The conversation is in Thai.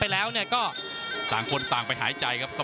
พี่น้องอ่ะพี่น้องอ่ะ